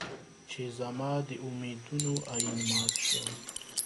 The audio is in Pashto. چې زما د امېدونو ائين مات شو